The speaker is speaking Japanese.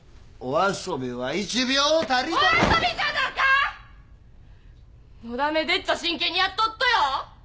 お遊びじゃなか！のだめでっちゃ真剣にやっとっとよ！